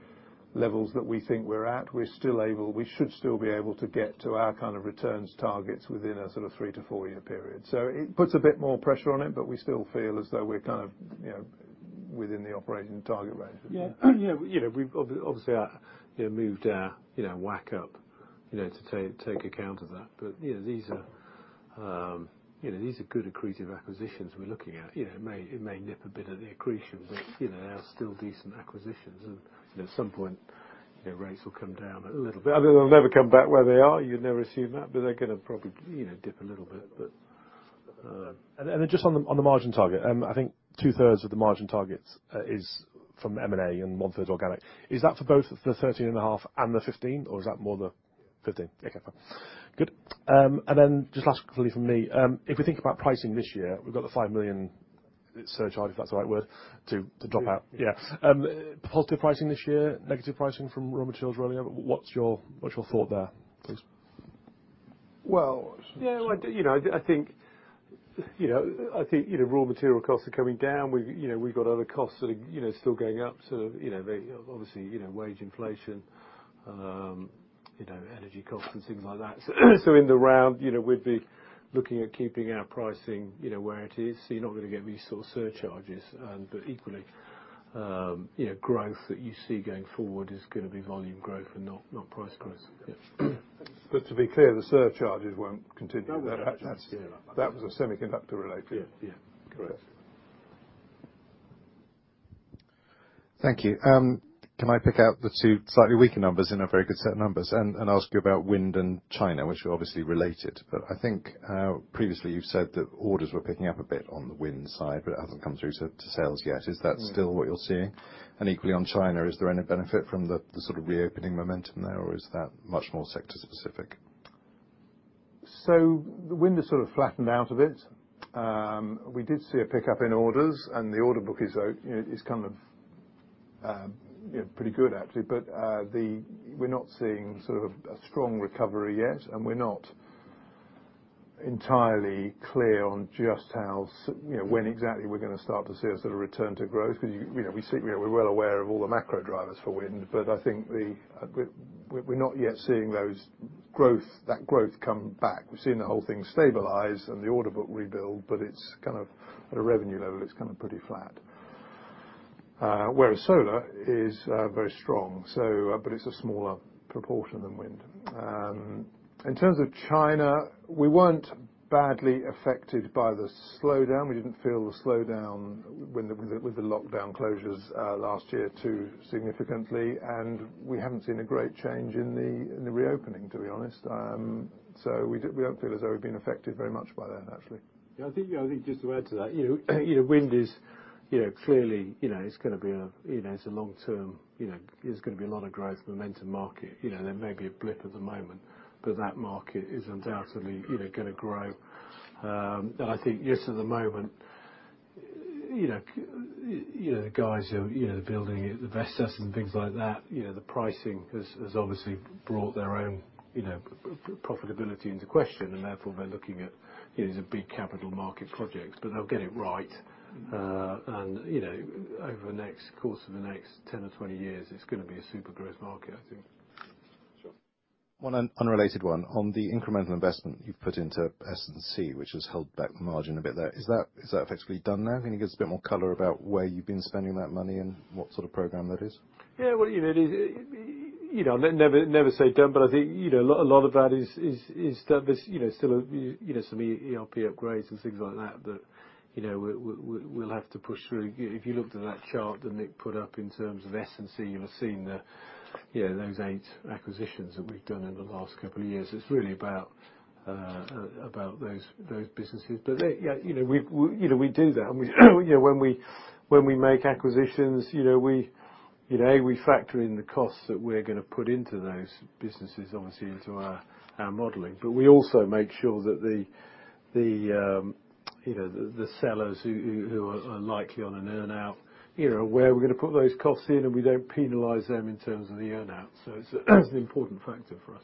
levels that we think we're at, we're still able, we should still be able to get to our kind of returns targets within a sort of 3-4-year period. It puts a bit more pressure on it, but we still feel as though we're kind of, you know, within the operating target range. Yeah, you know, we've obviously, you know, moved, you know, whack up, you know, to take account of that. You know, these are, you know, these are good accretive acquisitions we're looking at. You know, it may nip a bit of the accretion, but, you know, they are still decent acquisitions. You know, at some point, you know, rates will come down a little bit. I mean, they'll never come back where they are. You'd never assume that, but they're going to probably, you know, dip a little bit. Just on the margin target, I think two-thirds of the margin targets is from M&A and one-third organic. Is that for both the 13.5 and the 15, or is that more the 15? Okay, fine. Good. Then just last quickly from me, if we think about pricing this year, we've got the 5 million surcharge, if that's the right word, to drop out. Yeah. Positive pricing this year, negative pricing from raw materials earlier, what's your, what's your thought there, please? Yeah, I you know, I think, you know, I think, you know, raw material costs are coming down. We've, you know, we've got other costs that are, you know, still going up, so, you know, they obviously, you know, wage inflation, you know, energy costs and things like that. In the round, you know, we'd be looking at keeping our pricing, you know, where it is. You're not going to get these sort of surcharges. Equally, you know, growth that you see going forward is going to be volume growth and not price growth. Yeah. To be clear, the surcharges won't continue. No, surcharges. That, that's, that was a semiconductor related. Yeah, yeah. Correct. Thank you. Can I pick out the two slightly weaker numbers in a very good set of numbers and ask you about wind and China, which are obviously related, I think, previously you've said that orders were picking up a bit on the wind side, it hasn't come through to sales yet. Mm. Is that still what you're seeing? Equally on China, is there any benefit from the sort of reopening momentum there, or is that much more sector specific? The wind is sort of flattened out a bit. We did see a pickup in orders, and the order book is, you know, is kind of, you know, pretty good actually. We're not seeing sort of a strong recovery yet, and we're not entirely clear on just how, you know, when exactly we're going to start to see a sort of return to growth. You know, we're well aware of all the macro drivers for wind, but I think the, we're not yet seeing that growth come back. We've seen the whole thing stabilize and the order book rebuild, but it's kind of, at a revenue level, it's kind of pretty flat. Whereas solar is very strong, it's a smaller proportion than wind. In terms of China, we weren't badly affected by the slowdown. We didn't feel the slowdown with the lockdown closures last year, too significantly, and we haven't seen a great change in the reopening, to be honest. We don't feel as though we've been affected very much by that, actually. Yeah, I think just to add to that, you know, wind is, you know, clearly, you know, it's going to be a, you know, it's a long term, you know, there's going to be a lot of growth, momentum market. You know, there may be a blip at the moment, but that market is undoubtedly, you know, going to grow. And I think yes, at the moment, you know, the guys who, you know, building it, the investors and things like that, you know, the pricing has obviously brought their own, you know, profitability into question, and therefore, they're looking at, you know, some big capital market projects, but they'll get it right. And, you know, over the next, course of the next 10 or 20 years, it's going to be a super growth market, I think. Sure. One unrelated one. On the incremental investment you've put into S&C, which has held back the margin a bit there, is that effectively done now? Can you give us a bit more color about where you've been spending that money and what sort of program that is? Yeah, well, you know, it, you know, never say done, but I think, you know, a lot of that is that there's, you know, still, you know, some ERP upgrades and things like that, you know, we'll have to push through. If you looked at that chart that Nick put up in terms of S&C, you'll have seen the, you know, those eight acquisitions that we've done in the last couple of years. It's really about about those businesses. They, you know, we, you know, we do that, and, you know, when we, when we make acquisitions, you know, we factor in the costs that we're gonna put into those businesses, obviously, into our modeling. We also make sure that the, you know, the sellers who are likely on an earn-out, you know, where we're going to put those costs in, and we don't penalize them in terms of the earn-out. It's an important factor for us.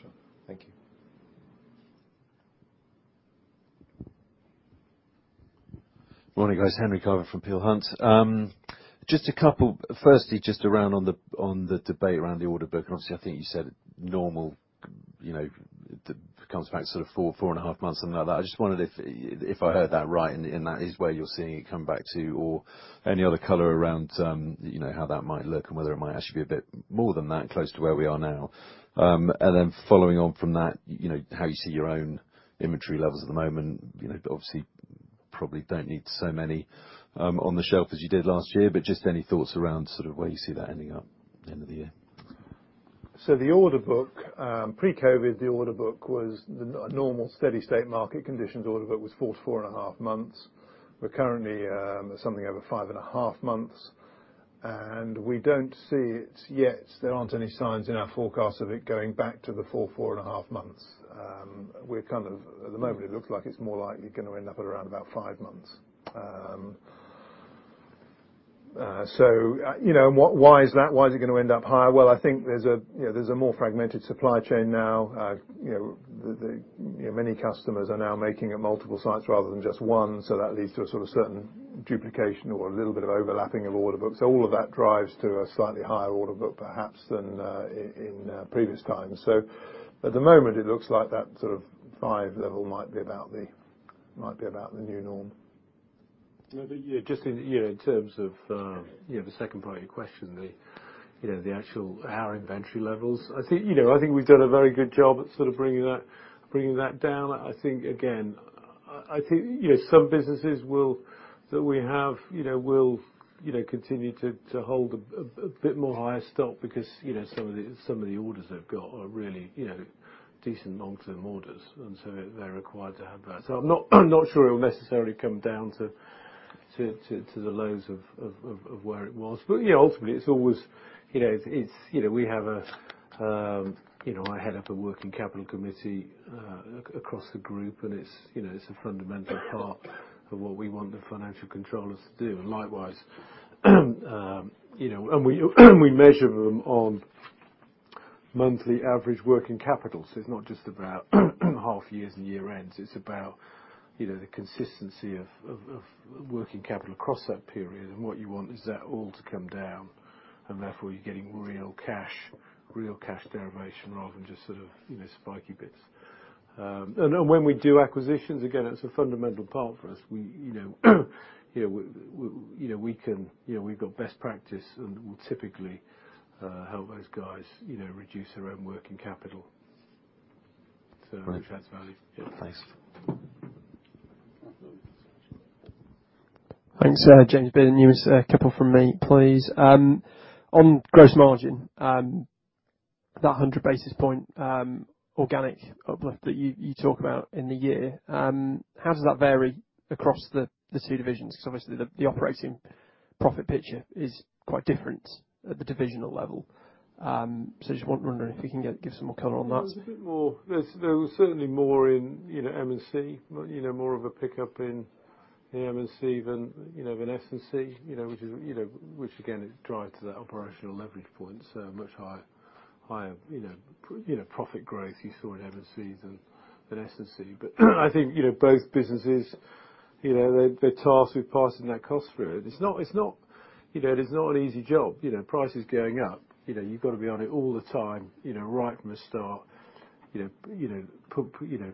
Sure. Thank you. Morning, guys. Henry Carver from Peel Hunt. firstly, just around on the, on the debate around the order book. Obviously, I think you said normal, you know, it comes back to sort of 4.5 months, something like that. I just wondered if I heard that right, and that is where you're seeing it come back to, or any other color around, you know, how that might look and whether it might actually be a bit more than that close to where we are now? Following on from that, you know, how you see your own inventory levels at the moment? You know, obviously, probably don't need so many on the shelf as you did last year, but just any thoughts around sort of where you see that ending up at the end of the year? The order book, pre-COVID, the order book was normal, steady state market conditions. Order book was 4 and a half months. We're currently, something over 5 and a half months, and we don't see it yet. There aren't any signs in our forecast of it going back to the 4 and a half months. We're kind of, at the moment, it looks like it's more likely going to end up at around about 5 months. You know, why is that? Why is it going to end up higher? Well, I think there's a, you know, there's a more fragmented supply chain now. You know, the, you know, many customers are now making at multiple sites rather than just one. That leads to a sort of certain duplication or a little bit of overlapping of order books. All of that drives to a slightly higher order book, perhaps, than in previous times. At the moment, it looks like that sort of five level might be about the new norm. Yeah, but just in, you know, in terms of, you know, the second part of your question, you know, the actual, our inventory levels. I think, you know, I think we've done a very good job at sort of bringing that down. I think, again, I think, you know, some businesses will, that we have, you know, will, you know, continue to hold a bit more higher stock because, you know, some of the orders they've got are really, you know, decent long-term orders, and so they're required to have that. I'm not sure it will necessarily come down to the lows of where it was. You know, ultimately, it's always, you know, it's, you know, we have a, you know, I head up a working capital committee across the group, and it's, you know, it's a fundamental part of what we want the financial controllers to do. Likewise, you know, and we measure them on monthly average working capital. It's not just about half years and year ends, it's about, you know, the consistency of working capital across that period. What you want is that all to come down, and therefore you're getting real cash, real cash derivation rather than just sort of, you know, spiky bits. When we do acquisitions, again, it's a fundamental part for us. We, you know, we've got best practice, and we'll typically help those guys, you know, reduce their own working capital. That's value. Thanks. Thanks, James Baden. Just a couple from me, please. On gross margin, that 100 basis point organic uplift that you talk about in the year, how does that vary across the two divisions? Because obviously, the operating profit picture is quite different at the divisional level. I just wondering if you can give some more color on that. There's, there was certainly more in, you know, M&C, you know, more of a pickup in M&C than, you know, than S&C, you know, which is, you know, which again, is drive to that operational leverage point. Much higher, you know, profit growth you saw in M&C than S&C. I think, you know, both businesses, you know, they're tasked with passing that cost through. It's not, you know, it is not an easy job. You know, price is going up. You know, you've got to be on it all the time, you know, right from the start, you know,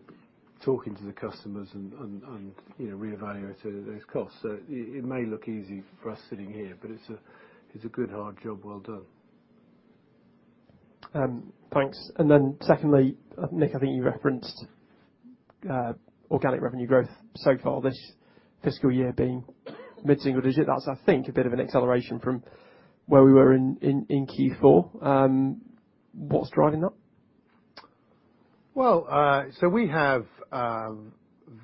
talking to the customers and, and, you know, reevaluating those costs. It, it may look easy for us sitting here, but it's a, it's a good, hard job well done. Thanks. Secondly, Nick, I think you referenced organic revenue growth so far this fiscal year being mid-single digit. That's, I think, a bit of an acceleration from where we were in Q4. What's driving that? Well, we have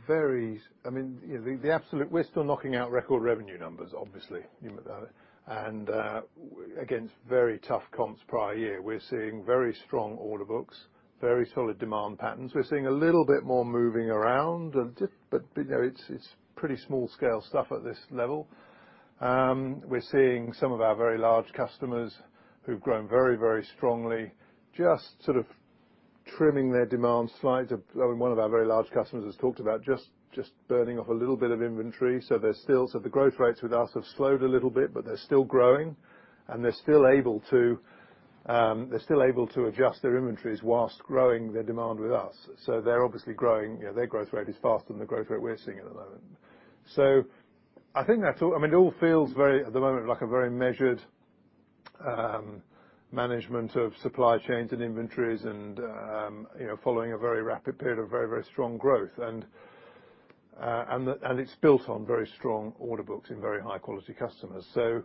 very... I mean, you know, the absolute we're still knocking out record revenue numbers, obviously, you know. Against very tough comps prior year, we're seeing very strong order books, very solid demand patterns. We're seeing a little bit more moving around, and, but, you know, it's pretty small-scale stuff at this level. We're seeing some of our very large customers who've grown very strongly, just sort of. trimming their demand slightly. One of our very large customers has talked about just burning off a little bit of inventory. The growth rates with us have slowed a little bit, but they're still growing, and they're still able to adjust their inventories whilst growing their demand with us. They're obviously growing. You know, their growth rate is faster than the growth rate we're seeing at the moment. I think that's all. I mean, it all feels very, at the moment, like a very measured management of supply chains and inventories, and, you know, following a very rapid period of very, very strong growth. And it's built on very strong order books and very high-quality customers. I...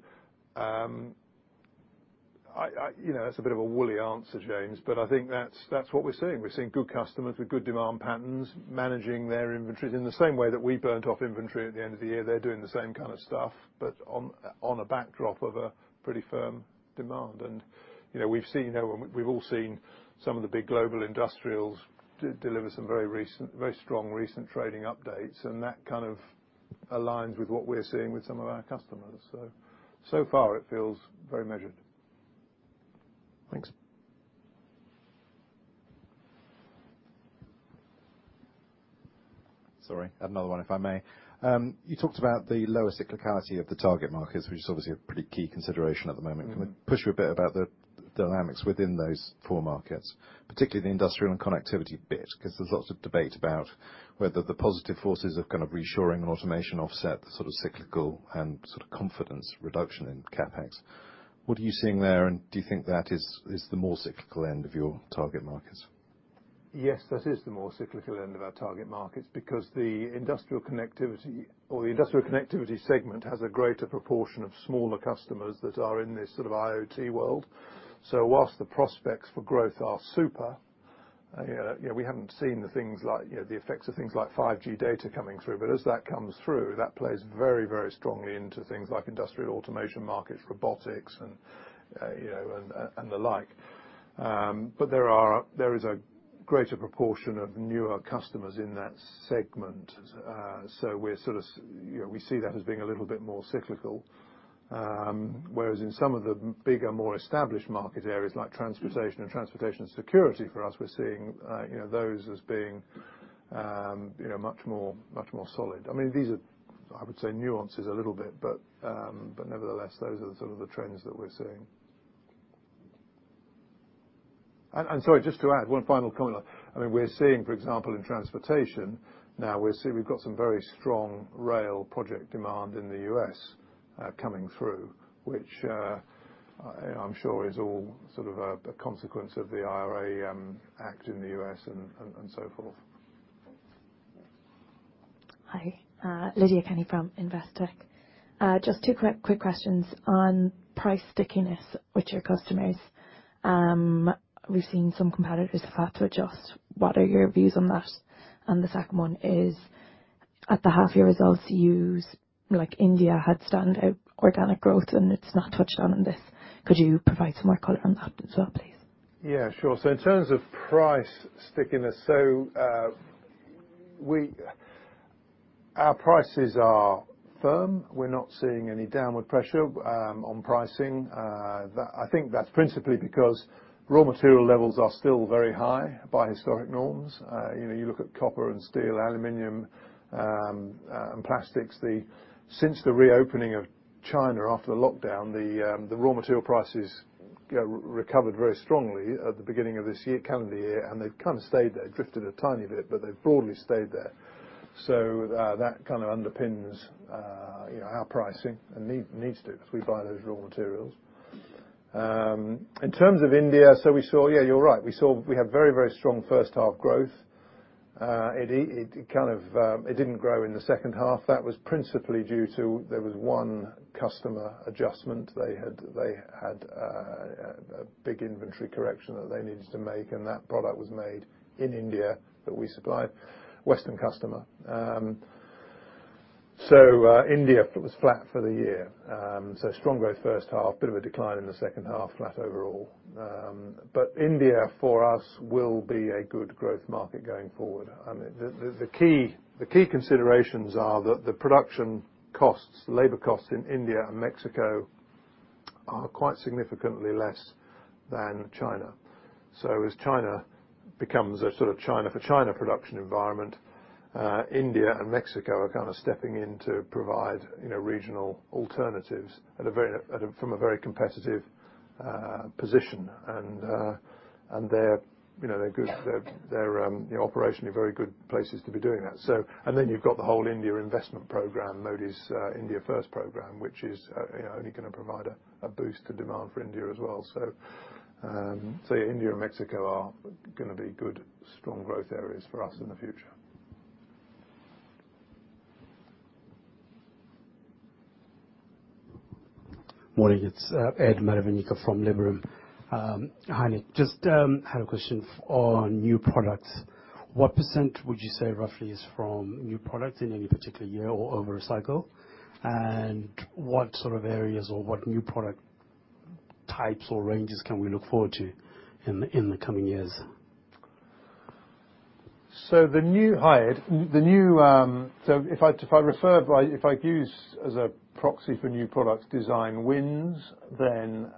You know, that's a bit of a woolly answer, James, but I think that's what we're seeing. We're seeing good customers with good demand patterns, managing their inventories. In the same way that we burnt off inventory at the end of the year, they're doing the same kind of stuff, but on a backdrop of a pretty firm demand. You know, we've all seen some of the big global industrials de-deliver some very recent, very strong recent trading updates, and that kind of aligns with what we're seeing with some of our customers. So far, it feels very measured. Thanks. Sorry, another one, if I may. You talked about the lower cyclicality of the target markets, which is obviously a pretty key consideration at the moment. Mm-hmm. Can we push you a bit about the dynamics within those four markets, particularly the industrial and connectivity bit? There's lots of debate about whether the positive forces of kind of reshoring and automation offset the sort of cyclical and sort of confidence reduction in CapEx. What are you seeing there, and do you think that is the more cyclical end of your target markets? Yes, that is the more cyclical end of our target markets, because the industrial connectivity segment has a greater proportion of smaller customers that are in this sort of IoT world. Whilst the prospects for growth are super, you know, we haven't seen the things like, you know, the effects of things like 5G data coming through. As that comes through, that plays very, very strongly into things like industrial automation markets, robotics, and, you know, and the like. There is a greater proportion of newer customers in that segment. We're sort of, you know, we see that as being a little bit more cyclical. Whereas in some of the bigger, more established market areas, like transportation and transportation security, for us, we're seeing, you know, those as being, you know, much more solid. I mean, these are, I would say, nuances a little bit, but nevertheless, those are the sort of the trends that we're seeing. Sorry, just to add one final comment. I mean, we're seeing, for example, in transportation now, we're seeing we've got some very strong rail project demand in the US coming through, which, I'm sure is all sort of a consequence of the IRA act in the US and so forth. Hi, Lydia Kenny from Investec. Just two quick questions. On price stickiness with your customers, we've seen some competitors have had to adjust. What are your views on that? The second one is, at the half year results, you use, like India, had standout organic growth, and it's not touched on in this. Could you provide some more color on that as well, please? Yeah, sure. In terms of price stickiness, our prices are firm. We're not seeing any downward pressure on pricing. I think that's principally because raw material levels are still very high by historic norms. You know, you look at copper and steel, aluminum, and plastics, since the reopening of China after the lockdown, the raw material prices recovered very strongly at the beginning of this year, calendar year, and they've kind of stayed there, drifted a tiny bit, but they've broadly stayed there. That kind of underpins, you know, our pricing and needs to, because we buy those raw materials. In terms of India, Yeah, you're right. We had very, very strong first half growth. It kind of, it didn't grow in the second half. That was principally due to, there was one customer adjustment. They had, they had a big inventory correction that they needed to make, and that product was made in India, but we supplied Western customer. India was flat for the year. So strong growth first half, bit of a decline in the second half, flat overall. But India, for us, will be a good growth market going forward. I mean, the key considerations are that the production costs, labor costs in India and Mexico are quite significantly less than China. As China becomes a sort of China for China production environment, India and Mexico are kind of stepping in to provide, you know, regional alternatives at a very, from a very competitive position. They're, you know, they're good, they're, you know, operationally very good places to be doing that. You've got the whole India investment program, Modi's India First program, which is, you know, only going to provide a boost to demand for India as well. India and Mexico are gonna be good, strong growth areas for us in the future. Morning, it's Ed Marovast from Liberum. Hi, just, I have a question on new products. What % would you say, roughly, is from new products in any particular year or over a cycle? What sort of areas or what new product types or ranges can we look forward to in the coming years? If I use as a proxy for new product design wins, then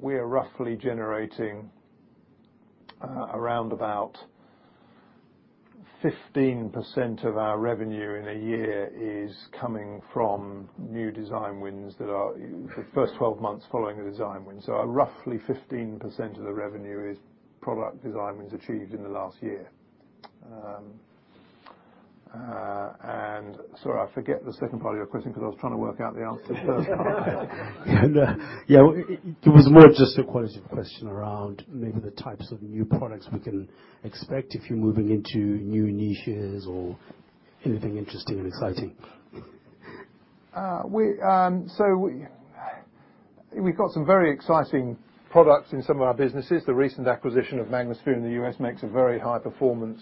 we are roughly generating around about 15% of our revenue in a year is coming from new design wins that are the first 12 months following the design win. Roughly 15% of the revenue is product design wins achieved in the last year. Sorry, I forget the second part of your question because I was trying to work out the answer to the first part. It was more of just a quality question around maybe the types of new products we can expect if you're moving into new niches or anything interesting and exciting? We've got some very exciting products in some of our businesses. The recent acquisition of Magnasphere in the US makes a very high performance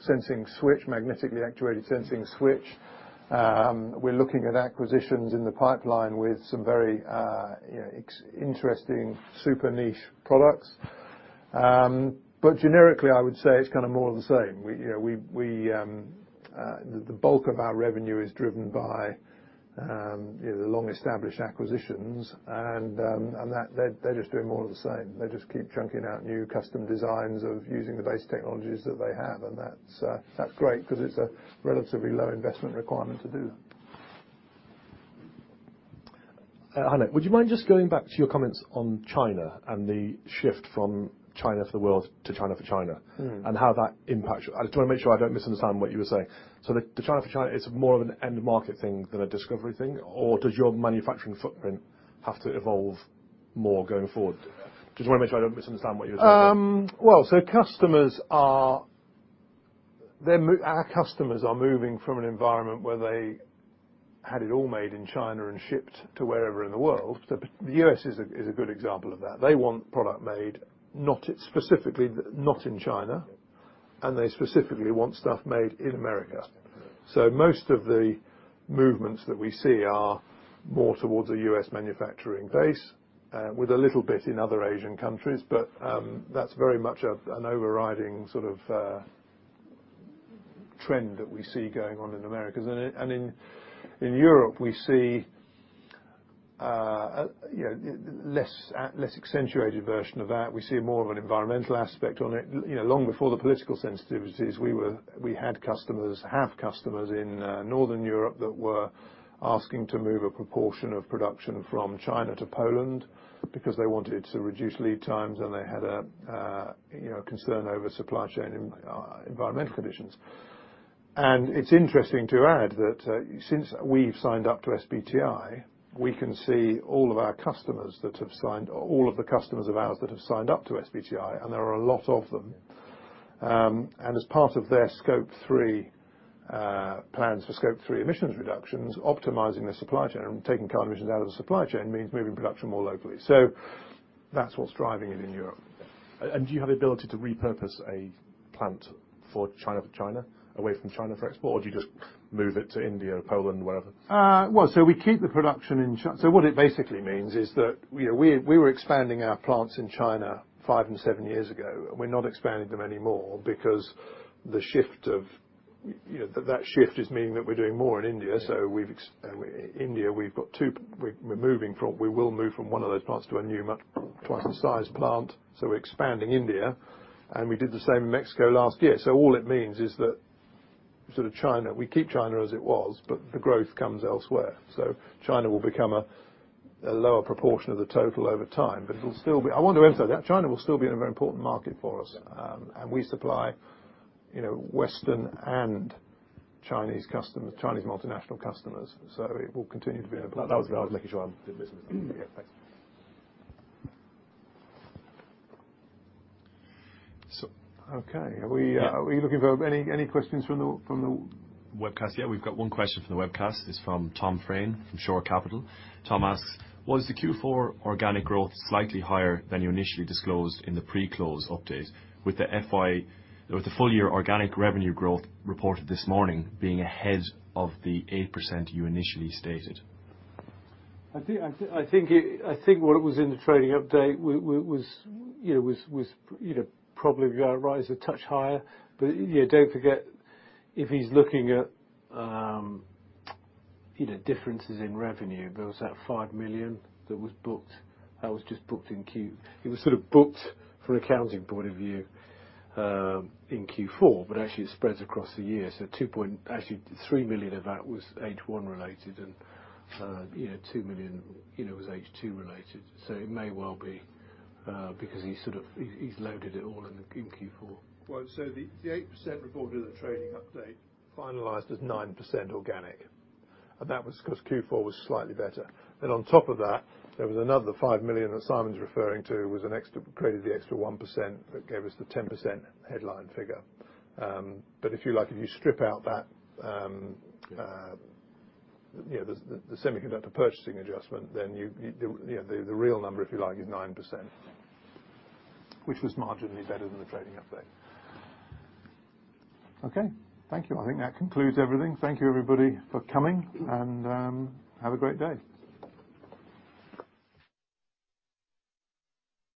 sensing switch, magnetically actuated sensing switch. We're looking at acquisitions in the pipeline with some very interesting, super niche products. Generically, I would say it's kind of more of the same. We, you know, we, the bulk of our revenue is driven by, you know, the long-established acquisitions, and that they're just doing more of the same. They just keep churning out new custom designs of using the base technologies that they have, and that's great because it's a relatively low investment requirement to do. Would you mind just going back to your comments on China and the shift from China to the world, to China for China-? Mm. How that impacts? I just want to make sure I don't misunderstand what you were saying. The China for China is more of an end market thing than a discoverIE thing, or does your manufacturing footprint have to evolve more going forward? Just want to make sure I don't misunderstand what you were saying. Well, customers are... Our customers are moving from an environment where they had it all made in China and shipped to wherever in the world. The US is a good example of that. They want product made, not specifically, not in China, and they specifically want stuff made in America. Most of the movements that we see are more towards a US manufacturing base, with a little bit in other Asian countries, but that's very much of an overriding sort of trend that we see going on in Americas. In Europe, we see, you know, less accentuated version of that. We see more of an environmental aspect on it. You know, long before the political sensitivities, we have customers in Northern Europe that were asking to move a proportion of production from China to Poland because they wanted to reduce lead times, and they had a, you know, concern over supply chain and environmental conditions. It's interesting to add that since we've signed up to SBTI, we can see all of the customers of ours that have signed up to SBTI, and there are a lot of them. As part of their Scope 3 plans for Scope 3 emissions reductions, optimizing their supply chain and taking car emissions out of the supply chain means moving production more locally. That's what's driving it in Europe. Do you have the ability to repurpose a plant for China, away from China for export, or do you just move it to India, Poland, wherever? Well, we keep the production in so what it basically means is that, you know, we were expanding our plants in China five and seven years ago, and we're not expanding them anymore because the shift of, you know, that shift just mean that we're doing more in India. And we're moving from, we will move from one of those plants to a new, much twice the size plant, we're expanding India, and we did the same in Mexico last year. All it means is that sort of China, we keep China as it was, but the growth comes elsewhere. China will become a lower proportion of the total over time, but it will still be... I want to emphasize that China will still be a very important market for us. Yeah. We supply, you know, Western and Chinese customers, Chinese multinational customers, so it will continue to be important. That was, I was making sure I did business. Mm-hmm. Yeah, thanks. Okay. Are we looking for any questions from the? Webcast? Yeah, we've got one question from the webcast. It's from Tom Frain, from Shore Capital. Tom asks: Was the Q4 organic growth slightly higher than you initially disclosed in the pre-close update with the FY or the full year organic revenue growth reported this morning being ahead of the 8% you initially stated? I think what was in the trading update was, you know, probably rise a touch higher. Yeah, don't forget, if he's looking at, you know, differences in revenue, there was that 5 million that was booked, that was just booked. It was sort of booked from an accounting point of view in Q4, but actually it spreads across the year. 2.3 million of that was H1 related, and, you know, 2 million, you know, was H2 related. It may well be because he sort of, he's loaded it all in Q4. The 8% reported in the trading update finalized as 9% organic. That was because Q4 was slightly better. On top of that, there was another 5 million that Simon's referring to, was an extra, created the extra 1% that gave us the 10% headline figure. If you like, if you strip out that, you know, the semiconductor purchasing adjustment, then you know, the real number, if you like, is 9%. Which was marginally better than the trading update. Okay, thank you. I think that concludes everything. Thank you, everybody, for coming, and have a great day.